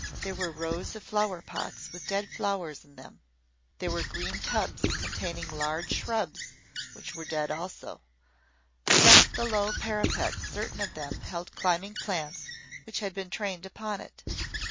There were rows of flower pots with dead flowers in them there were green tubs containing large shrubs, which were dead also against the low parapet certain of them held climbing plants which had been trained upon it.